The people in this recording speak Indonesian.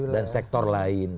dan sektor lain